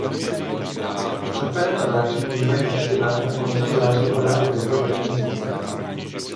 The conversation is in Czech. Srpen a září bývají deštivé a koncem září padá obvykle první sníh.